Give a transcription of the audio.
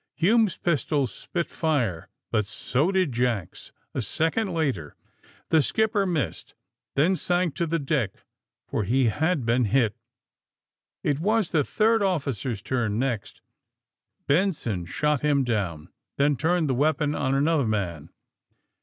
Hume's pistol spit fire, but so did Jack's, a second later. The skipper missed, then sank to the deck, for he had been hit. It was the third officer's turn next. Benson shot him down, then turned the weapon on an other man..